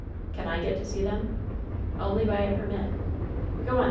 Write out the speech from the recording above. "Can I get to see them?" "Only by a permit." "Go on.